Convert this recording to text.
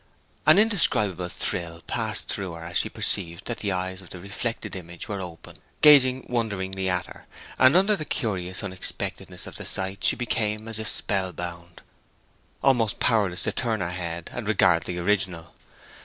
An indescribable thrill passed through her as she perceived that the eyes of the reflected image were open, gazing wonderingly at her, and under the curious unexpectedness of the sight she became as if spellbound, almost powerless to turn her head and regard the original.